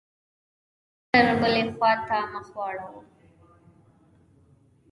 ډاکتر بلې خوا ته مخ واړاوه.